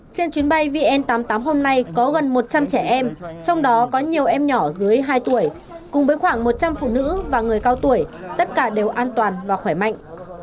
trên chuyến bay vn tám mươi tám hôm nay có gần một trăm linh trẻ em trong đó có nhiều em nhỏ dưới hai tuổi cùng với khoảng một trăm linh phụ nữ và người cao tuổi tất cả đều an toàn và khỏe mạnh